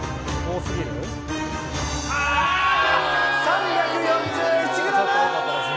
３４１ｇ！